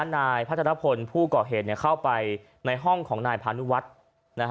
นายพัทรพลผู้ก่อเหตุเข้าไปในห้องของนายพานุวัฒน์